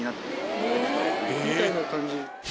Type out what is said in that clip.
みたいな感じ。